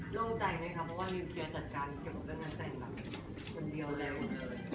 โล่งใจไหมคะเพราะว่าวิวเคลียร์จากการเก็บโฟโลเซ็นต์แบบคนเดียวแล้วเลย